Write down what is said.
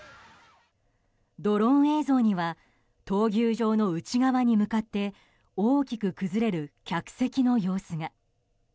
ドローン映像には闘牛場の内側に向かって大きく崩れる客席の様子が。